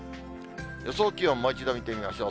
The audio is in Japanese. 予想気温、もう一度見てみましょう。